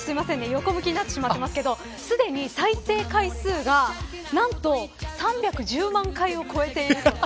横向きになってしまいましたけどすでに再生回数が何と３１０万回を超えていると。